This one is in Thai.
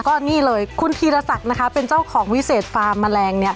ก็นี่เลยคุณธีรศักดิ์นะคะเป็นเจ้าของวิเศษฟาร์มแมลงเนี่ย